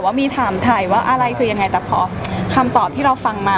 ว่ามีถามถ่ายว่าอะไรคือยังไงแต่พอคำตอบที่เราฟังมา